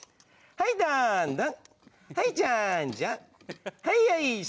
はいどんどん。